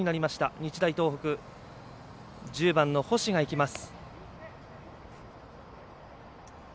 日大東北、１０番の星が行きます。